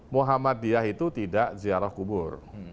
muhammadiyah itu tidak ziarah kubur